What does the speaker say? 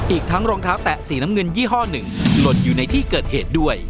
อีกทั้งรองเท้าแตะสีน้ำเงินยี่ห้อหนึ่งหล่นอยู่ในที่เกิดเหตุด้วย